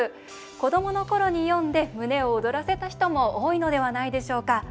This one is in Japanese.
子どものころに読んで胸を躍らせた人も多いのではないでしょうか。